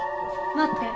待って。